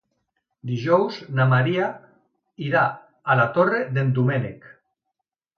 Dijous na Maria irà a la Torre d'en Doménec.